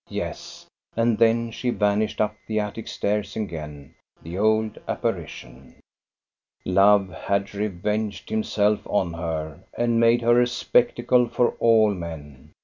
Yes, and then she vanished up the attic stairs again, the old apparition. Love had revenged himself on her and made her a spectacle for all men.